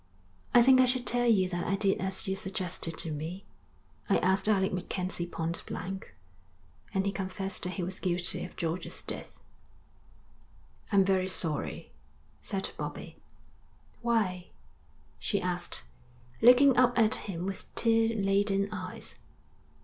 'I think I should tell you that I did as you suggested to me. I asked Alec MacKenzie pointblank, and he confessed that he was guilty of George's death.' 'I'm very sorry,' said Bobbie. 'Why?' she asked, looking up at him with tear laden eyes.